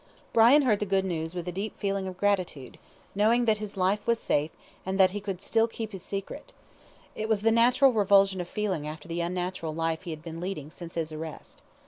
Brian heard the good news with a deep feeling of gratitude, knowing that his life was safe, and that he could still keep his secret. It was the natural revulsion of feeling after the unnatural life he had been leading since his arrest.